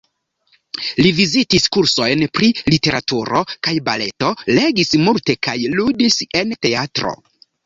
Li vizitis kursojn pri literaturo kaj baleto, legis multe kaj ludis en teatro.